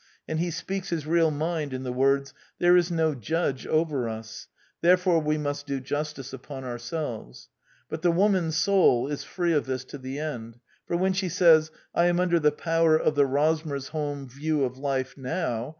And he speaks his real mind in the words, '' There is no judge over us : therefore we must do justice upon ourselves." But the woman's soul is free of this to the end; for when she says, '' I am under the power of the Rosmersholm view of life now.